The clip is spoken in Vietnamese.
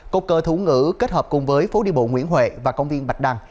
cột cờ thủ ngữ kết hợp cùng với phố đi bộ nguyễn huệ và công viên bạch đăng